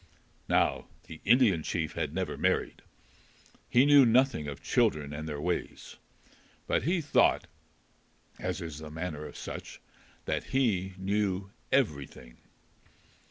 Now the Indian chief had never married. He knew nothing of children and their ways. But he thought, as is the manner of such, that he knew everything.